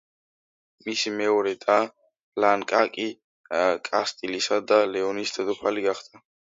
მისი მეორე და, ბლანკა კი კასტილიისა და ლეონის დედოფალი გახდა.